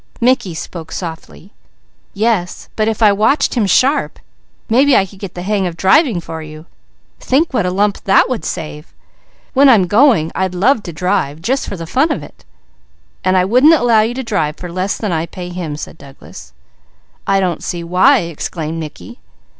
Mickey spoke softly: "Yes, but if I watched him sharp, maybe I could get the hang of driving for you. Think what a lump that would save. When I'm going, I'd love to drive, just for the fun of it." "And I wouldn't allow you to drive for less than I pay him," said Douglas. "I don't see why!" exclaimed Mickey.